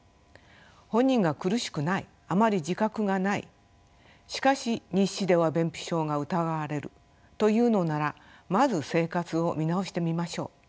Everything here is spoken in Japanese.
本人が苦しくないあまり自覚がないしかし日誌では便秘症が疑われるというのならまず生活を見直してみましょう。